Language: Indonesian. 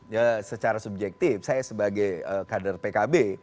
ya secara subjektif saya sebagai kader pkb